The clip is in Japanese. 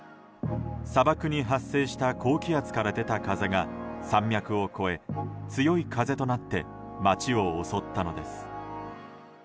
砂漠に発生した高気圧から出た風が山脈を越え強い風となって街を襲ったのです。